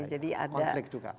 jadi ada konflik juga